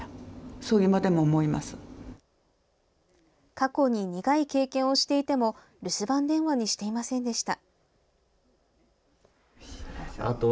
過去に苦い経験をしていても留守番電話にしていませんでした。